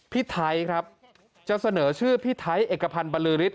พี่ไทยครับจะเสนอชื่อพี่ไทยเอกพันธ์บรรลือฤท